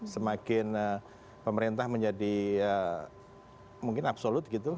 semakin pemerintah menjadi mungkin absolut gitu